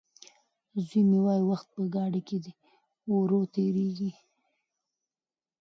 زوی مې وايي وخت په ګاډي کې ورو تېرېږي.